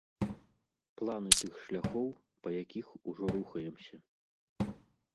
Планы тых шляхоў, па якіх ужо рухаемся.